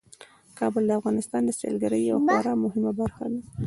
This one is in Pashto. کابل د افغانستان د سیلګرۍ یوه خورا مهمه برخه ده.